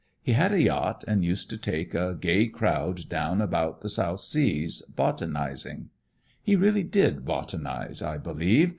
He had a yacht and used to take a gay crowd down about the South Seas, botanizing. He really did botanize, I believe.